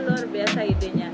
luar biasa idenya